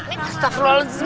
ini ustazah silahkan